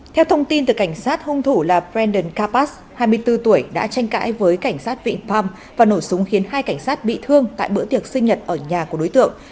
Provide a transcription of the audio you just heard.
theo thông tin từ cảnh sát hung thủ là branden karpas hai mươi bốn tuổi đã tranh cãi với cảnh sát vịnh palm và nổ súng khiến hai cảnh sát bị thương tại bữa tiệc sinh nhật ở nhà của đối tượng